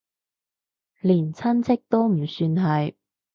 連親戚都唔算係